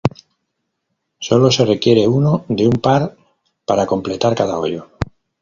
Solo se requiere uno de un par para completar cada hoyo.